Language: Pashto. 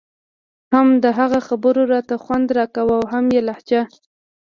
هم د هغه خبرو راته خوند راکاوه او هم يې لهجه.